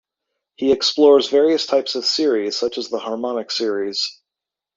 He explores various types of series such as the harmonic series.